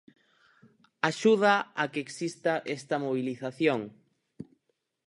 Axuda a que exista esta mobilización.